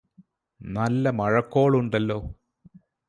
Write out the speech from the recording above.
നല്ല മഴക്കോളുണ്ടല്ലോ